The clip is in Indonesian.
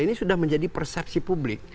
ini sudah menjadi persepsi publik